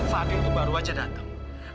fadil tuh baru aja datang